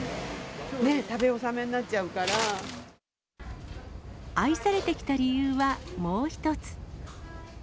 ねえ、食べ納めになっちゃう愛されてきた理由は、もう一つ。